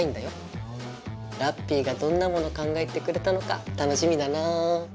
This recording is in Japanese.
ラッピィがどんなもの考えてくれたのか楽しみだなぁ。